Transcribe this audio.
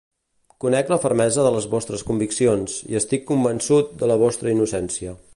Conec la fermesa de les vostres conviccions i estic convençut de la vostra innocència.